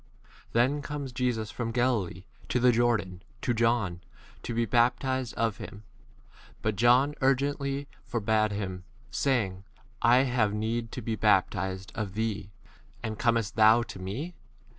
13 Then comes Jesus from Galilee to the Jordan to John, to be bap 14 tized of him ; but John urgently forbad u him, saying, I have need to be baptized* of thee ; and 15 comest thou to me